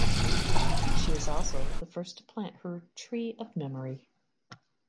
She was also the first to plant her "tree of memory".